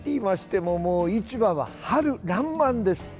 もう市場は春らんまんです。